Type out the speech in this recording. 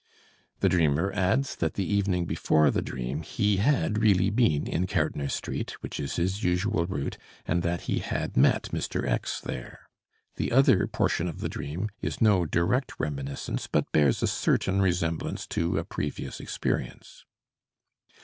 The dreamer adds that the evening before the dream he had really been in Kärtner Street, which is his usual route, and that he had met Mr. X. there. The other portion of the dream is no direct reminiscence, but bears a certain resemblance to a previous experience.